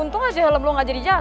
untung aja helm lo nggak jadi jatuh